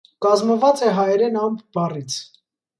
Կազմված է հայերեն ամպ բառից։